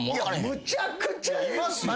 むちゃくちゃいますよ。